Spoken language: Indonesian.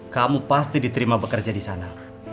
kamu pasti diterima bekerja di sana